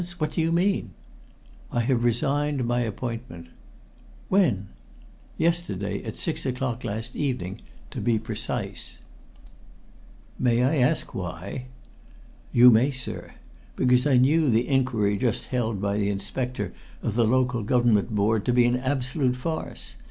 What do you mean?" "I have resigned my appointment." "When?" "Yesterday at six o'clock last evening, to be precise." "May I ask why?" "You may, sir. Because I knew the inquiry just held by the Inspector of the Local Government Board to be an absolute farce!